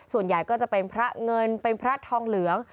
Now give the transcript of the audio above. ส่วนใหญ่ก็จะเป็นพระเงินเป็นพระทองเหลือง